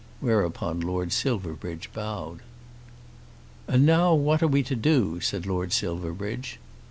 Whereupon Lord Silverbridge bowed. "And now what are we to do?" said Lord Silverbridge.